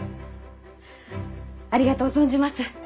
ありがとう存じます。